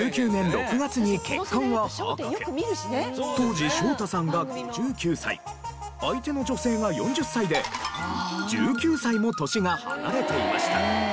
当時昇太さんが５９歳相手の女性が４０歳で１９歳も年が離れていました。